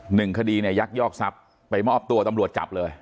หนึ่งคดีเนี่ยยักยอกทรัพย์ไปมอบตัวตำรวจจับเลย